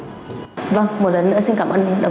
vâng một lần nữa xin cảm ơn đồng chí đã trả lời phỏng vấn